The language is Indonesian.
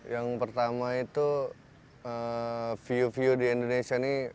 yang pertama itu view view di indonesia ini